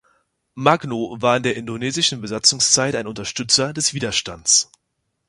Magno war in der indonesischen Besatzungszeit ein Unterstützer des Widerstands.